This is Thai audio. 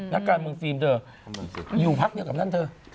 นักการเมืองฟิล์มเถอะเหมือนสิอยู่พักเดียวกับนั่นเถอะใคร